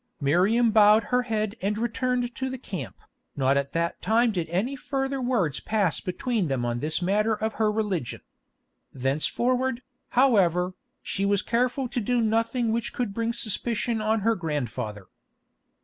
Miriam bowed her head and returned to the camp, nor at that time did any further words pass between them on this matter of her religion. Thenceforward, however, she was careful to do nothing which could bring suspicion on her grandfather.